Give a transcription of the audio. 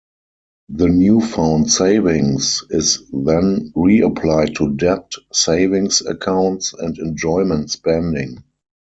The newfound savings is then reapplied to debt, savings accounts and enjoyment spending.